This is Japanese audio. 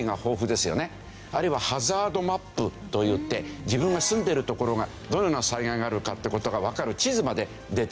あるいはハザードマップといって自分が住んでる所がどのような災害があるかって事がわかる地図まで出てる。